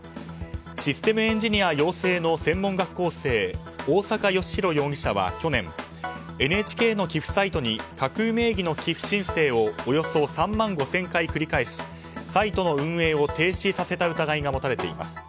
システムエンジニア養成の専門学校生・大坂良広容疑者は去年、ＮＨＫの寄付サイトに架空名義の寄付申請をおよそ３万５０００回繰り返しサイトの運営を停止させた疑いが持たれています。